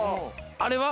あれは？